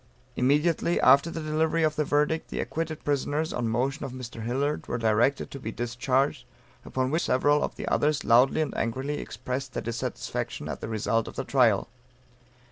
Immediately after the delivery of the verdict, the acquitted prisoners, on motion of Mr. Hillard, were directed to be discharged, upon which several of the others loudly and angrily expressed their dissatisfaction at the result of the trial.